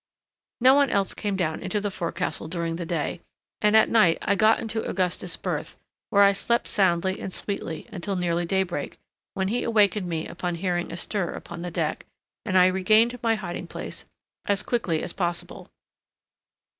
No one else came down into the forecastle during the day, and at night, I got into Augustus' berth, where I slept soundly and sweetly until nearly daybreak, when he awakened me upon hearing a stir upon deck, and I regained my hiding place as quickly as possible.